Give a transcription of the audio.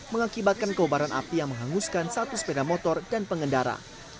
mengakibatkan keubaran api yang menghanguskan satu sepeda motor dan pengendara